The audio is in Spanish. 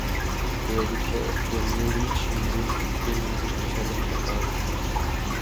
El periódico "Yomiuri Shimbun" tiene una sucursal en Takaoka.